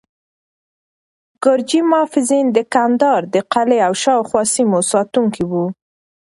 ګرجي محافظین د کندهار د قلعه او شاوخوا سیمو ساتونکي وو.